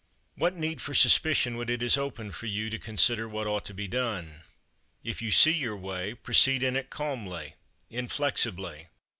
12. What need for suspicion when it is open for you to consider what ought to be done? If you see your way, proceed in it calmly, inflexibly.